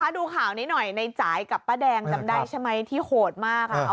ดูข่าวนี้หน่อยในจ่ายกับป้าแดงจำได้ใช่ไหมที่โหดมาก